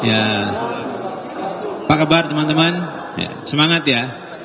ya apa kabar teman teman semangat ya